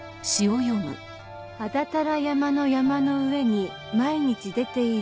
「阿多多羅山の山の上に毎日出てゐる